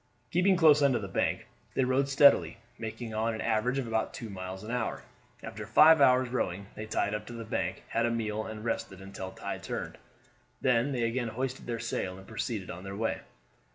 Keeping close under the bank, they rowed steadily, making on an average about two miles an hour. After five hours' rowing they tied up to the bank, had a meal, and rested until tide turned; then they again hoisted their sail and proceeded on their way.